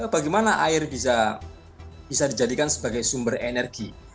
bagaimana air bisa dijadikan sebagai sumber energi